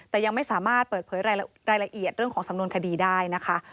แต่ยังไม่สามารถเปิดเผยรายละเอียดเรื่องของสำนวนคดีได้นะคะ